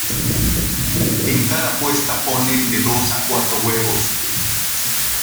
En cada puesta ponen de dos a cuatro huevos.